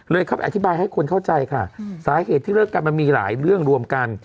เข้าไปอธิบายให้คนเข้าใจค่ะสาเหตุที่เลิกกันมันมีหลายเรื่องรวมกัน